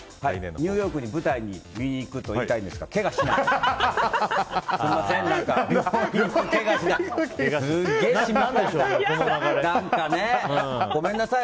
ニューヨークに舞台を見に行くと言いたいんですが、けがをしない。